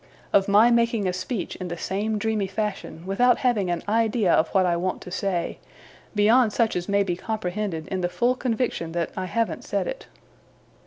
Of my making a speech in the same dreamy fashion, without having an idea of what I want to say, beyond such as may be comprehended in the full conviction that I haven't said it.